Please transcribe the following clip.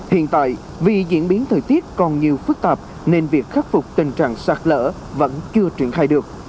hiện tại vì diễn biến thời tiết còn nhiều phức tạp nên việc khắc phục tình trạng sạt lỡ vẫn chưa triển khai được